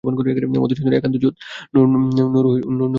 মধুসূদনের একান্ত জেদ নুরনগরে।